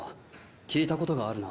聞いたことがあるな。